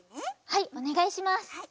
はいおねがいします。